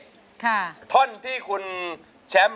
ร้องเข้าให้เร็ว